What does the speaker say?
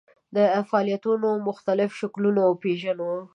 د فعالیتونو مختلف شکلونه وپېژنو.